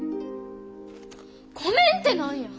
ごめんって何や！